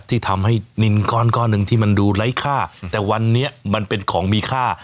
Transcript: ที่ทำให้นินก้อนหนึ่งที่มันดูไร้ค่าแต่วันนี้มันเป็นของมีค่า